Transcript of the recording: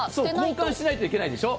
交換しないといけないでしょ。